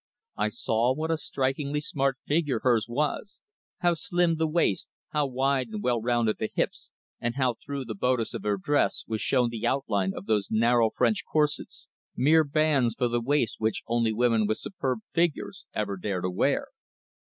I saw what a strikingly smart figure hers was; how slim the waist, how wide and well rounded the hips, and how through the bodice of her dress was shown the outline of those narrow French corsets, mere bands for the waist which only women with superb figures ever dare to wear.